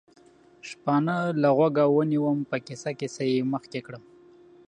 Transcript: شپانه له غوږه ونیوم، په کیسه کیسه یې مخکې کړم.